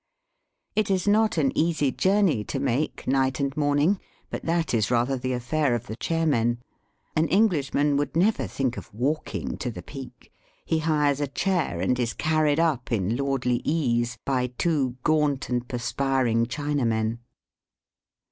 It is not an easy journey to make night and morning, but that is rather the affair of the chair men. An Englishman^ would never think of walking to the Peak. He hires a chair, and is carried up in lordly TOL. IL 27 Digitized by VjOOQIC 114 EAST BY WEST^ iease by two gaunt and perspiring Chinamen.